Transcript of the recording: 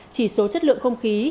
chỉ số chất lượng không khí